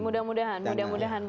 mudah mudahan begitu ya